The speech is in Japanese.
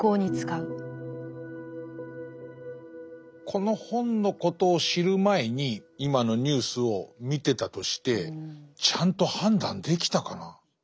この本のことを知る前に今のニュースを見てたとしてちゃんと判断できたかな。